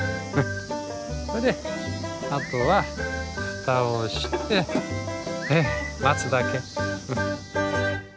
それであとは蓋をして待つだけ。